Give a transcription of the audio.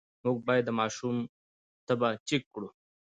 مور باید د ماشوم تبه چیک کړي۔